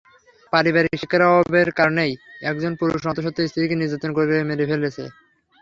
পারিবারিক শিক্ষার অভাবের কারণেই একজন পুরুষ অন্তঃসত্ত্বা স্ত্রীকে নির্যাতন করে মেরে ফেলছে।